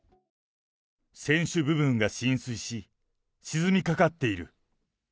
船首部分が浸水し、沈みかかっている。